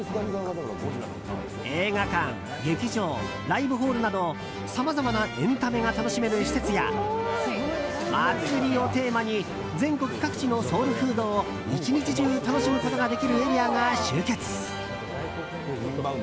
映画館、劇場、ライブホールなどさまざまなエンタメが楽しめる施設や祭りをテーマに全国各地のソウルフードを１日中楽しむことができるエリアが集結。